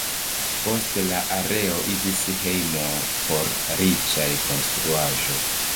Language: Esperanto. Poste la areo iĝis hejmo por riĉaj konstruaĵoj.